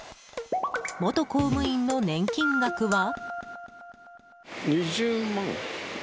元公務員の年金額は？